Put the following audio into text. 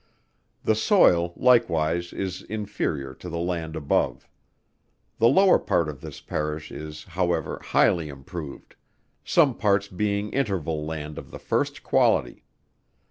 The soil, likewise, is inferior to the land above. The lower part of the Parish is, however highly improved, some parts being interval land of the first quality.